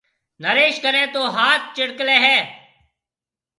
نريش ڪنَي تو هات چرڪلَي هيَ۔